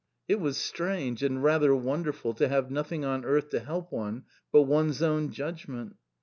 It was strange, and rather wonderful, to have nothing on earth to help one but one's own judgment.